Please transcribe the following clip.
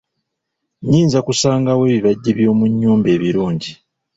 Nyinza kusangawa ebibajje by'omunnyumba ebirungi?